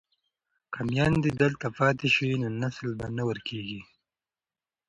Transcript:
که میندې دلته پاتې شي نو نسل به نه ورکيږي.